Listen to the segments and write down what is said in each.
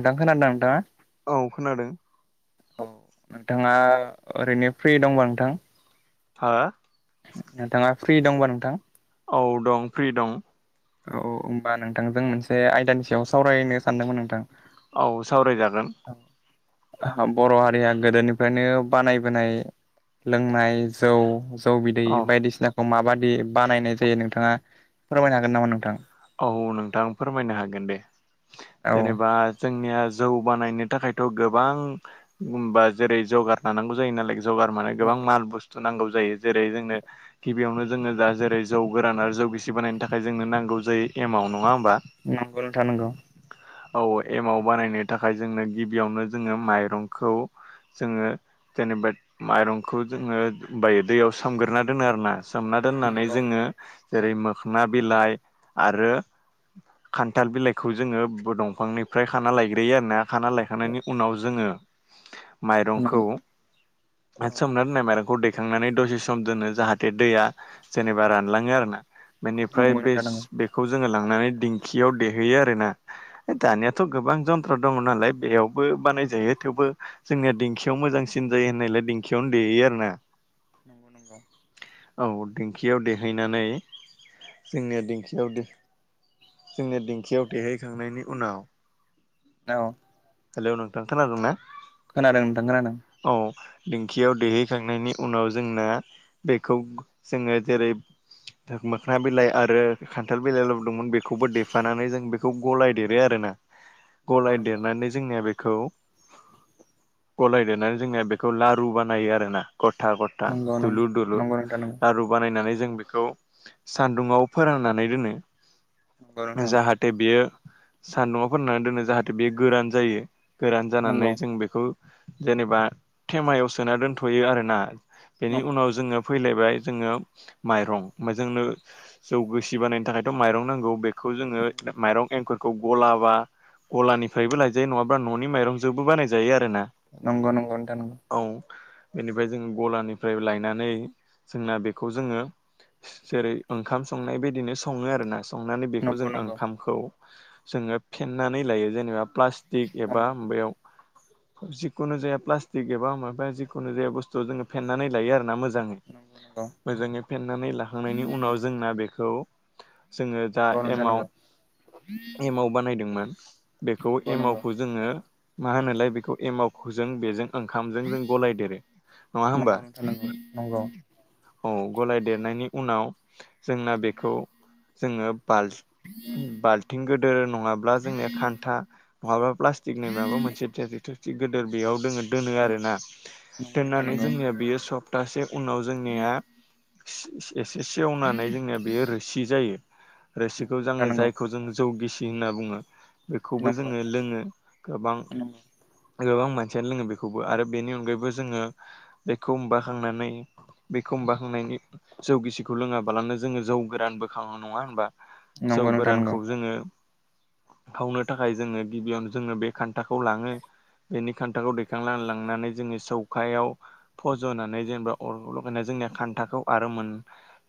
नोंथां खोनादों ना नोंथाङा औ खोनादों औ नोंथाङा ओरैनो फ्रि दंबा नोंथां हा? नोंथाङा फ्रि दंबा नोंथां? औ दं फ्रि दं औ होमबा नोंथांजों मोनसे आयदानि सायाव सावरायनो सानदोंमोन नोंथां औ सावरायजागोन बर' हारिया गोदोनिफ्रायनो बानायबोनाय लोंनाय जौ जौ बिदै औ बायदिसिनाखौ माबादि बानायनाय जायो नोंथाङा फोरमायनो हागोन नामा नोंथां? औ नोंथां फोरमायनो हागोन दे औ जेनेबा जोंनिया जौ बानायनो थाखायथ' गोबां जेरै जौगार लानांगौ जायो नालाय जगार माने गोबां माल बुस्थु नांगौ जाय जायो जेरै जोंनो गिबियावनो जोङो दा जेरै जौ गोरान आरो जौ गिसि बानायनो थाखाय जोंनो नांगौ जाय यो एमाउट नङा होन नंगौ नोंथां नंगौ औ एमाव बानायनो थाखाय जोंनो गिबियावनो जोङो माइरंखौ जोङो जेनेबा माइरंखौ जोङो बायो दैयाव सामग्रोना दोनो आरोना सोमना दोननानै नंगौ जोङो जेरै मोखोनना बिलाइ आरो खान्थाल बिलाइखौ जोङो दंफांनिफ्राय खाना लायग्रोयो आरोना खाना लायखांनायनि उनाव जोङो माइरंखौ नंगौ औ सोमना दोननाय माइरंखौ दै थिखांनानै दसे सम दोनो जाहाथे दैया जेनेबा रानलाङो आरोना बेनिफ्राय नंगौ बे नोंथां नंगौ बेखौ जोङो लांनानै दिंखियाव देहैयो आरोना नंगौ दानियाथ' गोबां जन [unintelligible] दङ नालाय बेयावबो बानायजायो थेवबो जोंनिया दिंखियाव मोजांसिन जायो होननायलाय दिंखियाव दैयो देयो आरोना नंगौ औ दिंखियाव देहैनानै जोंनि दिखि जोंनि देंखियाव देहैखांनायनि उनाव औ हेलौ नोंथां खोनादों ना खोनादों नोंथां खोनादों दिंखियाव दैहैखांनायनि उनाव जोंना बेखौ जोङो जेरै मोखोना बिलाइ आरो खान्थाल बिलाइ लबोदोंमोन बेखौबो देफानानै जों बेखौ गलायदेरो आरोना नंगौ गलाय नंगौ नंगौ देरनानै जोंनिया बे खौ गलायदेरनानै जोंनिना बेखौ लारु बानायो आरोना गथा गथा नंगौ दुलुर दुलुर नंगौ नोंथां नंगौ लारु बानायनानै जों बेखौ सान्दुंआव फोरोंनानै दोनो नंगौ नोंथां जाहाथे बियो सान्दुङाव फोरनानै दोनो जाहाथे बेयो गोरान जायो गोरान नंगौ जानानै जों बेखौ जेनेबा थेमायाव सोना दोनथ'यो आरोना बेनि नंगौ उनाव नंगौ जोङो फैलायबाय जोङो माइरं जोंनो जौगसि बानायनो थाखायथ' माइरं नांगौ बे खौ जोङो माइरं एंखुर खौ गलाबा गलानिफ्रायबो लायजायो नङाब्ला न'नि माइरंजोंबो बानाय जायो आरो। नंगौ नंगौ नोंथां नंगौ बेनिफ्राय जों गलानिफ्राय लायनानै जोंना बेखौ जोङो जेरै ओंखाम संनाय बदिनो सङो आरो ना संनानै बेखौ नंगौ जों नंगौ ओंखामखौ जोङो फेन्नानै लायो जेनेबा प्लास्टिक एबा बेयाव जिखुनु जाया प्लास्टिक एबा माबा ज जिखुनु जाया बुस्थु जोङो फेेननानै लायो आरो ना मोजां मो नंगौ मोजाङै फेनानै लाखांनायनि उनाव जोंना बेखौ जोङो दा नंगौ नंगौ नोंथां एमाव एमव बानायदोंमोन बेखौ एमावखौ जोङो मा होनलाय बेखौ एमावखो जों बेजों ओंखामजों जों गलायदेरो नङा होमबा नंगौ नंगौ औ गलाय देरनायनि उनाव जोंना बेखौ जोङो बाल बाल्थिं गिदोर नङाब्ला जोंनिया खान्था नङाब्ला प्लास्टिक न माबा मोनसे [unintelligible] बेयाव दङ दोनो आरोना नंगौ नंगौ नोंथां दोननानै नंगौ जोंनिया बेयो सप्तासे उनाव जोंनिया एसे सेवनानै जोंनिया बेयो रोसि जायो रोसिखौ खौ जायखौ जों जौ गिसि होनना बुङो बेखौबो नंगौ जोङो लोङो गोबां गोबां मानसियानो लोङो बेखौबो आरो बेनि अनगायैबो जोङो बेखौ माबा खांनानै बेखौ होम्बा होननायनि जौगिसिखौ लोङाबालानो जोङो जौ गोरान बोखांङो नङा होनबा जौ नंगौ नोंथां नंगौ नोंथां नंगौ नोंथां गोरानखौ नंगौ जोङो सावनो थाखाय जोङो गिबियावनो जोङो बे खान्थाखौ लाङो बेनि खान्थाखौ दैखां लांनानै जोङो सौखायाव फज'नानै जेनेबा अर लगायनाय जायो जों खान्थाखौ आरो मोन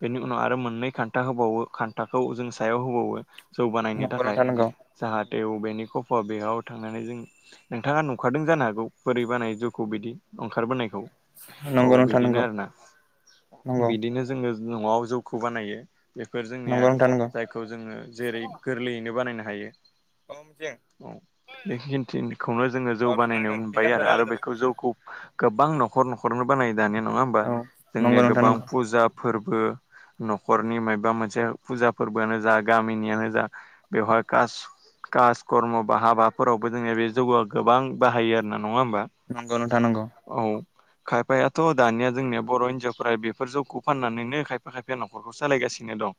बेनि उनाव आरो मोन मोननै खान्था होबावो खान्थाखौ जों सायाव होबावो जौ बानायनो नंगौ थाखाय नोंथां नंगौ जाहाथेव बेनि क अ बेयाव थांनानै जों नोंथाङा नुंखारदों जानो हागौ बोरै बानाय जौखौ बिदि ओंखारबोनायखौ औ नंगौ नोंथां बिदिनो नंगौ आरोना नंगौ बिदिनो जोङो न'आव जौखौ बानायो बेफोर जोंनिया नंगौ नोंथां नंगौ जायखौ जोङो जेरै गोरलैयैनो बानायनानै ओंजे बेखिनिथिखौनो जोङो जौ औ बानायनो मोनबाय बिखासजों आरो आरो रायलायदों बेखौ जौखौ गोबां न'खर न'खरनो बानायो दानिया नङा होमबा औ नंगौ जोंनिया नोंथां गोबां नंगौ फुजा फोरबो न'खरनि मायबा मोनसे फुजा फोरबोआनो जा गामिनियानो जा बेवहाय कास कास कर्म बा हाबाफोरावबो जोंनि बे जौगआ गोबां बाहायो आरोना नङा होमबा नंगौ नोंथां नंगौ औ खायफायाथ' दानिया जोंनिया बर' हिनजावफोरा बेफोर जौखौ फाननानैनो खायफ फा खायफाया न'खरखौ सालायगासिनो दं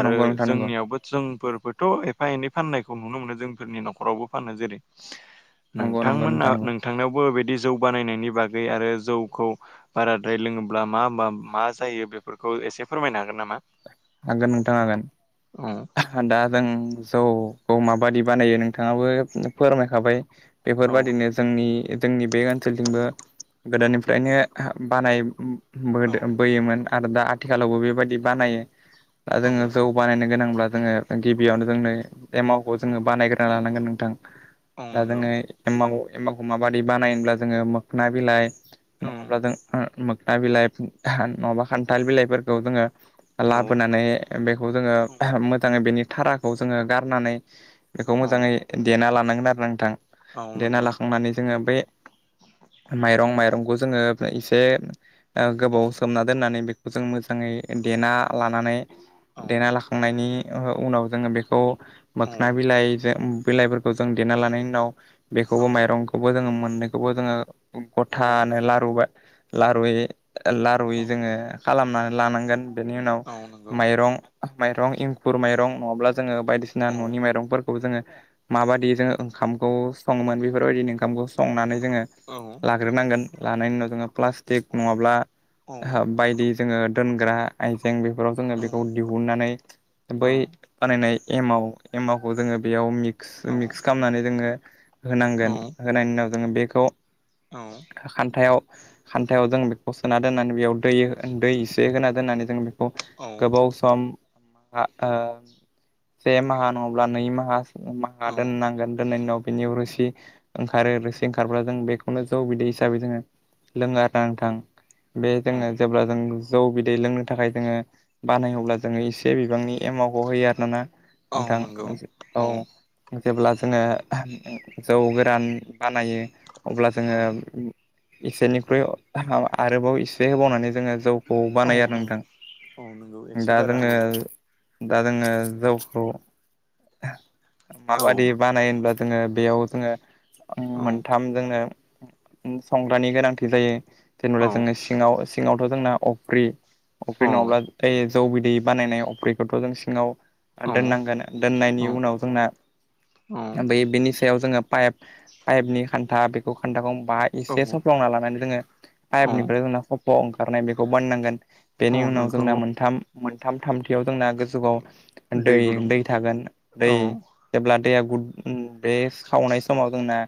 आरो नंगौ नोंथां नंगौ जोंनियावबो जोंफोर थ' एफा एनै फाननायखौ नुनो मोनो जोंफोरनि न'खरावबो फानो जेरै नंगौ नंगौ नोंथांमोना नोंथां नंगौ नोंथांनिावबोबायदि जौ बानायनायनि बागै आरो जौखौ बाराद्राय लोङोब्ला मा मा मा जायो बे खौ एसे फोरमायनो हागोन नामा? हागोन नोंथां औ हागोन दा जों जौखौ माबा बादि बानायो नोंथाङाबो फोरमायखाबाय औ बेफोरबादिनो जोंनि जोंनि बे ओनसोलथिंबो गोदोनिफ्रायनो बानाय बोदो औ बोयोमोन आरो दा आथिखालावबो बेबायदि बानायो दा औ जोङो जौ बानायनो गोनांब्ला जोङो गिबियावनो जोंनो एमावखौ जोङो बानायग्रोना लानां खौ नोंथां औ दा नंगौ जोङो ए एमाखौ माबाददि बानायब्ला जोङो मोखोन बिलाइ औ नङाब्ला जों मोगना बिलाइ नङाबा खान्थाल बिलाइफोरखौ जोङो औ लाबोनानै बेखौ जोङो मोजाङै बेनि थाराखौ जोङो गारनानै बेखौ औ मोजाङै देना लानांगोन आरो ना नोंथां औ देना नंगौ लाखांनानै जोङो बै माइरं माइरंखौ जोङो एसे औ गोबाव सोमना दोननानै बेखौ जों मोजाङै देना लानानै देना औ लाखांनायनि उनाव जोङो बेखौ मोखोन बिलाइ बिलाइफोरखौ जों देना लानायनि उनाव बेखौबो माइरंखौबो जोङ मोन मोननैखौबो जोङो औ गथानो लारु बा लारुयै लारुय जोङो खालामनानै लानांगोन बेनि उन आ नंगौ माइरं एंखुर माइरं नङाब्ला जोङो बायदिसिना औ न'नि माइरंफोरखौ जोङो माबाददि जों ओंखामखौ सङोमोन बेफोरबायदि ओंखामखौ संनानै औ औ [unintelligible] जोङो दोनग्रा आइजें बेफोराव जोङो बेखौ दिहुननानै बै बानायनाय एमाव एमावखौ जोङो बेयाव मिक्स मिक्स खालामनानै जोङो होनांगोन औ होनायनि उनाव जोङो बेखौ खान्थायाव खान्थायाव जों बेखौ सोना दोन्नानै बेयाव दै दै इसे होना दोन्नानै जों औ गोबाव सम से माहा नङ्ला नै माहा माहा औ दोननांगोन दोननायनि उनाव बिनि रोसि ओंखारो रोसि ओंखारब्ला जों बेखौनो जौ बिदै हिसाबै जोङो लोंङ नांथां बे औ जोङो जेब्ला जों जौ बिदै लोंनो थाखाय जोङो बानायोब्ला जोङो एसे बिबांनि एमव खौ होयो आर न ना औ नोंथां नंगौ औ जेब्ला जोङो जौ गोरान बानायो अब्ला औ जोङो इसेनिख्रुइ आरोबाव एसे होबावनानै जोङो जौखौ औ बानायो आरो नंगौ नोंथां औ नंगौ एसे दा बारा जोङो होबावो दा जोङो जावखौ औ माबादि बानाय होनब्लाा जोङो बेयाव जोङो औ मोनथाम जोंनो संग्रानि गोनांथि जायो औ जेनेबा जोङो सिङाव सिङाव ' जोंना अफ्रि अफ्रि औ नङाब्ला जौ बिदै बानायनाय अफ्रिखौथ' जों सिङाव औ दोननांगोन दोननायनि उनाव जोंना औ बिनि सायाव जोङो पाइप पाइपनि खान्था बेखौ खान्थाखौ बा एसे सफ्लावना लानानै जोङो औ पाइपनिफ्राय जोंना सफ्ल' ओंखारनाय बेखौ बोननांगोन औ बेनि उनाव नोंखौ जोंना मोनथाम मोनथाम थामथियाव जोंना गोजौआव दै दै थागोन दै औ जेब्ला दैया ग बे सावनाय समाव जोंना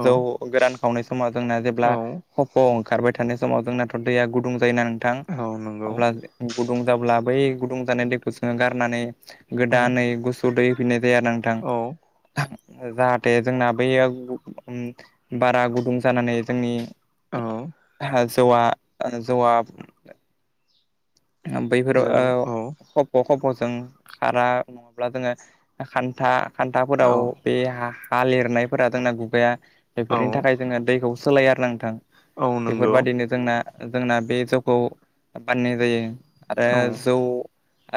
औ जौ गोरान खावनाय समाव जोंना जेब्ला औ खफ' ओंखारबाय थानाय समाव जोंनाथ' दैया गुदुं जायोना नोंथां औ नंगौ अब्ला गुदुं जाब्ला बै गुदुं जानाय दैखौ जोङो गारनानै औ गोदानै गुसु दै होफैनाय जाया नोंथां औ जाहाथे जोंना बैयो बारा गुदुं जानानै जोंनि औ जौआ जौवआ जों बैफोराव औ ख ख जों खारा नङाब्ला जोङो खान्था खान्थाफोराव औ बे हा हा लिरनायफोरा दोंना गुबगाया औ बेफोरनि थाखाय जोङो दैखौ सोलायारनांथों औ नंगौ बेफोरबादिनो जोंना जोंना बे जौखौ बानायनाय जायो। आरो औ जौ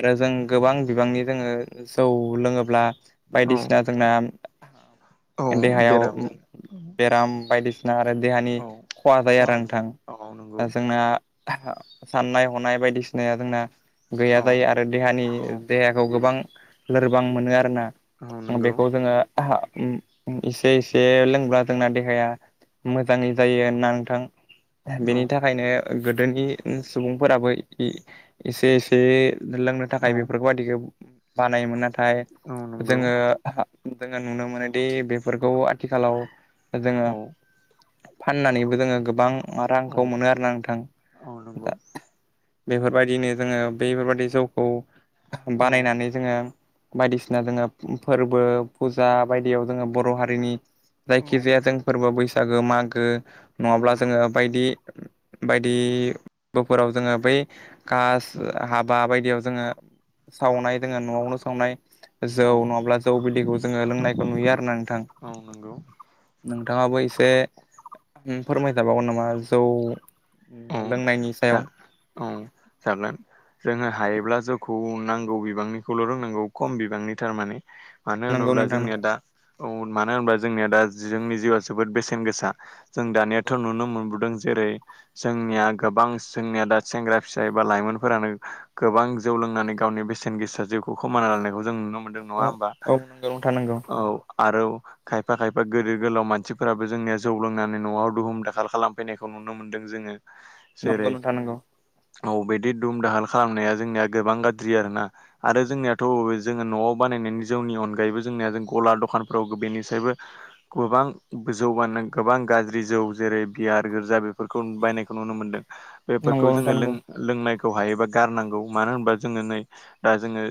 आरो जों गोबां बिबांनि जोङो जौ लोङोब्ला औ बायदिसिना जोंना औ देहायाव बेराम जानो बेराम बायदिसिना आरो देहानि औ खहा जायो आरो खहाबो जा नोंथां। औ नंगौ दा जोंना साननाय हनाय बायदिसिनाया जोंना गैया औ जायो। आरो देहानि औ देहाखौ गोबां लोरबां मोनो आरोना औ नंगौ बेखौ जोङो एसे एसे लोंब्ला जोंना देहाया मोजाङै जायो होना नोंथां औ बेनि थाखायनो गोदोनि सुबुंफोराबो एसे एसे लोंनो थाखाय औ बेफोरखौ बाददिखौ बानायोमोन। नाथाय औ नंगौ जोङो जोङो नुनो मोनोदि बेफोरखौ आथिखालाव जोङो औ फाननानैबो जोङो गोबां रांखौ मोनो आरोना नोंथां। दा नोंगौ। बेफोरबायदिनो जोङो बैफोरबायादि जौखौ औ बानायनानै जोङो बायदिसिना जोङो फोर्बो फुजा बायदियाव जोङो बर' हारिनि औ जायखि जाया जों फोर्बो बैसागो मागो नङाब्ला जोङो औ बायदि बायदि बोफोराव जोङो बै कास हाबा बायदियाव जोङो सावनाय जोङो न'आवनो सावनाय जौ औ नङाब्ला जौ बिदैखौ जोङो लोंनायखौ नुयो आरोना नोंथां। औ नंगौ नोंथाङाबो एसे फोरमायजाबावगोन नामा जौ औ लोंनायनि सायाव जागोन औ जागोन। जोङो हायोब्ला जौखौ नांगौ बिबांनिखौल' रोंनांगौ खम बिबांनि थारमाने। मानो नंगौ होनोब्ला नोंथां जोंनिया नंगौ दा औ मानो होनोबा जोंनिया दा जोंनि जिउआ जोबोद बेसेन गोसा। जों नंगौ दानियाथ' नुनो मोनबोदों जेरै जोंनिया गोबां जोंनिया दा सेंग्रा फिसा एबा लाइमोनफोरानो गोबां जौ लोंनानै गावनि बेसेन गोेसा जिउखौ खोमाना लानायखौ जों नुनो मोन्दों औ नङा होमबा? औ नंगौ नोंथां नंगौ औ। आरो खायफा खायफा गोदो गोलाव मानसिफोराबो जोंनिया जौ लोंनानै न'आव दुहुम दाखाल खालामफैनायखौ नुनो मोन दों जोङो। नंगौ नोंथां नंगौ। अ बेदि दुम दाहाल खालामनाया जोंनिया गोबां गाज्रि आरोना। आरो जोंनियाथ' बे जोङो न'आव बानाय नाय जौनि अनगायैबो जोंनिया जों गला दखानफ्राव बेनिसायबो गोबां जौ गोबां गाज्रि जौ जेरै बियार गोर्जा बे फोरखौ बायनायखौ नुनो मोनदों। बेफोरखौ जोङो लों-लोंनाय खौ हायोबा गारनांगौ । मानो होनबा जोङो नै दा जोङो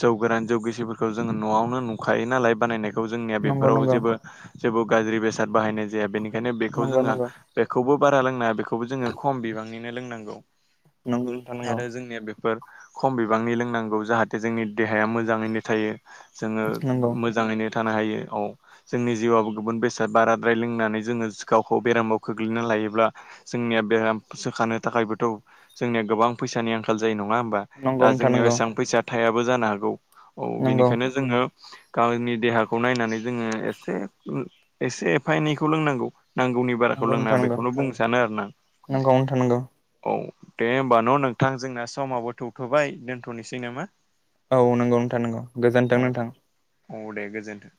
जौ गोरान जौ गिसिफोरखौ जोङो न'आव नो नुखायो नालाय बानायनायखौ जोंनिया नंगौ नोंथां बेफोराव नंगौ जेबो जेबो गाज्रि बेसाद बाहायनाय जाया बेनि खायनो बेखौ नंगौ जोङो नंगौ बेखौबो बारा लोंनांआ बेखौबो जोङो खम बिबाङैनो लोंनांगौ। नंगौ नंगौ आरो जोंनिया बेफोर खम बिबांनि लोंनांगौ जाहाथे जोंनि देहाया मोजाङैनो थायो। जोङो नंगौ नोंथां नंगौ मोजाङैनो थानो हायो । औ जोंनि जिउआबो गुबुन बेसाद बाराद्राय लोंनानै जोङो गावखौ बेरामाव खोख्लैना लायो ब्ला जोंनिया बेराम सोखानो थाखायबोथ' जोंनिया गोबां फैसानि आंखाल जायो न ङा होनबा? दा नंगौ नोंथां जोंनियाव नंगौ एसां फैसा थायाबो जानो हागौ । औ नंगौ बेनिखायनो जोङो गावनि देहाखौ नायनानै जोङो एसे एसे एफा एनैखौ लोंनांगौ। नांगौनि बाराखौ लोंनाङा बे नों गावनो हमथाना थानांगौ। औ दे होमबा न' नोंथां जोंना समावबो थौथ'बाय दोनथ'नोसै नामा? औ नंगौ नोंथां नंगौ गोजोन्थों औ नोंथां। औ दे गोजोन्थों।